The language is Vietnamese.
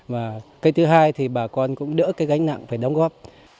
và thứ hai thì bà con cũng đỡ gánh nặng phải đóng góp